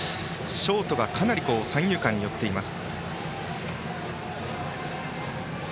ショートがかなり三遊間に寄っています。